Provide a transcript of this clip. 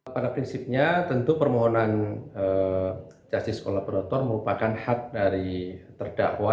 pada prinsipnya tentu permohonan justice kolaborator merupakan hak dari terdakwa